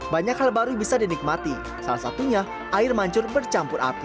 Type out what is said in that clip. banyak hal baru bisa dinikmati salah satunya air mancur bercampur api